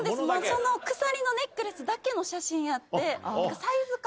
その鎖のネックレスだけの写真やって。